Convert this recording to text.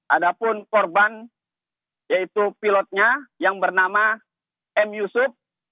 ada pun korban yaitu pilotnya yang bernama m yusuf